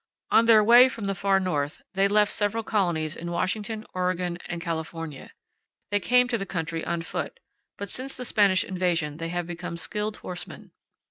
On their way from the far North they left several colonies in Washington, Oregon, and California. They came to the country on foot, but since the Spanish invasion they have become skilled horsemen.